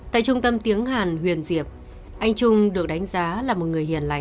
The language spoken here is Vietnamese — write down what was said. tại trung tâm tiếng hàn huyền diệp anh trung được đánh giá là một người nạn nhân